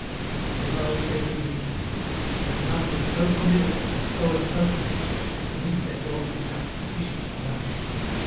He divulged every detail. The account was so formidable, so atrocious, that beneath their golden caps the bishops blanched.